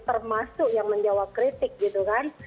termasuk yang menjawab kritik gitu kan